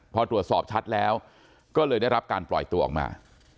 พอตรวจสอบชัดแล้วก็เลยได้รับการปล่อยตัวออกมา